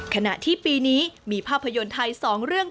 ขณะที่ปีนี้มีภาพยนตร์ไทย๒เรื่อง